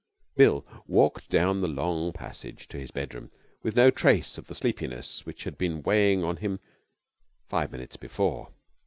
Bill walked down the long passage to his bedroom with no trace of the sleepiness which had been weighing on him five minutes before.